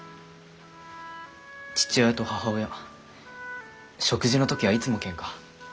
父親と母親食事の時はいつもケンカ。